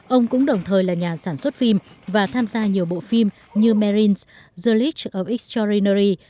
ông cũng đồng thời là nhà sản xuất phim và tham gia nhiều bộ phim như marines the lich of extraordinary